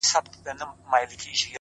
وخت د ژوند تر ټولو منصفه پانګه ده’